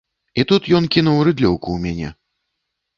І тут ён кінуў рыдлёўку ў мяне.